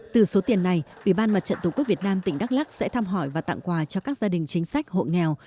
từ số tiền này ủy ban mặt trận tổ quốc việt nam tỉnh đắk lắc sẽ thăm hỏi và tặng quà cho các gia đình chính sách hộ nghèo